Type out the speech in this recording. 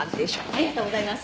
ありがとうございます。